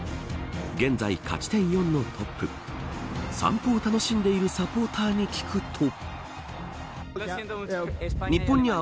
現在、勝ち点４のトップ散歩を楽しんでいるサポーターに聞くと。